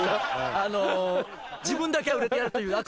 あの自分だけは売れてやるという飽く